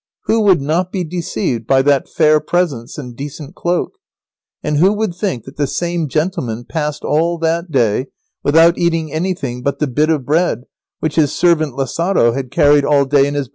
Who would not be deceived by that fair presence and decent cloak? And who would think that the same gentleman passed all that day without eating anything but the bit of bread which his servant Lazaro had carried all day in his bosom, where it was not likely to find much cleanliness?